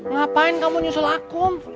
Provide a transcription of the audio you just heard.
ngapain kamu nyusul akum